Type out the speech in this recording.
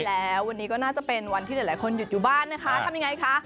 แล้ววันนี้ก็น่าจะเป็นวันที่หลายคนหยุดอยู่บ้านนะคะทำยังไงคะ